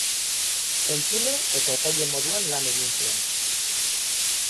Entzule eta epaile moduan lan egin zuen.